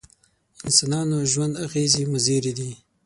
انسانانو ژوند اغېزې مضرې دي.